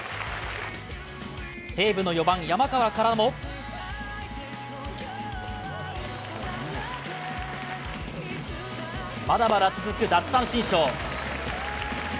正武の４番・山川からもまだまだ続く奪三振ショー。